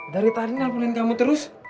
dari tadi ngelpunin kamu terus